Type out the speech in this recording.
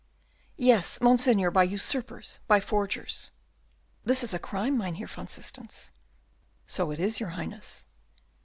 "Yes, Monseigneur, by usurpers, by forgers." "This is a crime, Mynheer van Systens." "So it is, your Highness."